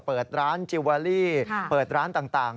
เปิดร้านจิลเวอรี่เปิดร้านต่าง